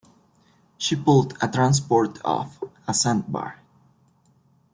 She pulled a transport off a sand bar.